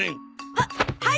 はっはい！